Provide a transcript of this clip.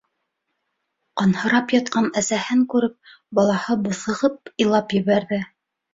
Ҡанһырап ятҡан әсәһен күреп, балаһы буҫығып илап ебәрҙе.